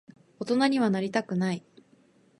大人にはなりたくない。